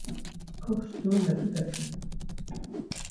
Crockston m’a tout appris !